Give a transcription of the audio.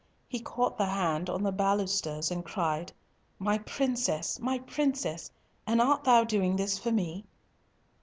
He caught the hand on the balusters, and cried, "My princess, my princess, and art thou doing this for me?"